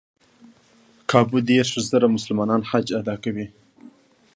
کابو دېرش زره مسلمانان حج ادا کوي.